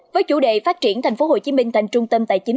với chủ đề phát triển thành phố hồ chí minh thành trung tâm tài chính